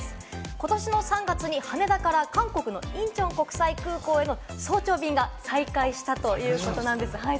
今年の３月に羽田から韓国のインチョン国際空港への早朝便が再開したということなんです。